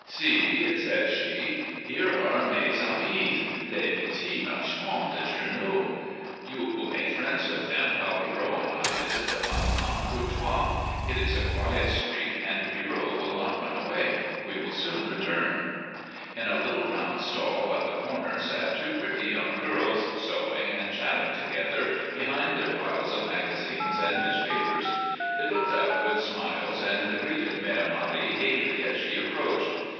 "See," said she, "here are mes amies, les petites marchandes de journaux. You will make friends with them while Pierrot and I visit Madame Courtois. It is a quiet street and Pierrot will not run away. We will soon return." In a little round stall at the corner sat two pretty young girls sewing and chatting together behind their piles of magazines and newspapers. They looked up with smiles and greeted Mère Marie gayly as she approached.